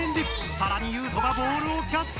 さらにユウトがボールをキャッチ！